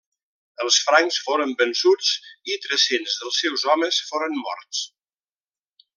Els francs foren vençuts i tres-cents dels seus homes foren morts.